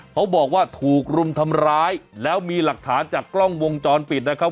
เขาบอกว่าถูกรุมทำร้ายแล้วมีหลักฐานจากกล้องวงจรปิดนะครับ